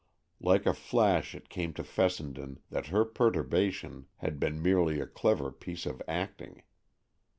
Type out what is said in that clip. Like a flash it came to Fessenden that her perturbation had been merely a clever piece of acting.